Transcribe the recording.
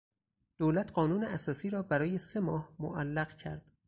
دولت قانون اساسی را برای سه ماه معلق کرد.